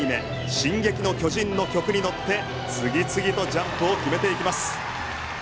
「進撃の巨人」の曲に乗って次々とジャンプを決めていきます。